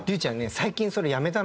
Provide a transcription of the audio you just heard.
最近それやめたのよ。